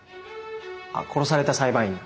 あっ殺された裁判員の。